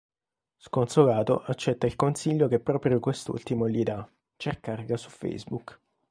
Sconsolato accetta il consiglio che proprio quest'ultimo gli dà: cercarla su Facebook.